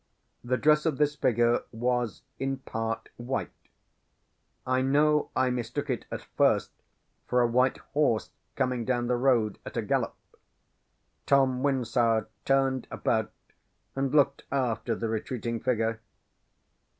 The dress of this figure was, in part, white: I know I mistook it at first for a white horse coming down the road at a gallop. Tom Wyndsour turned about and looked after the retreating figure.